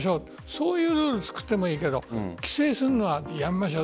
そういうルールを作ってもいいけど規制するのはやめましょう。